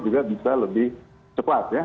juga bisa lebih cepat ya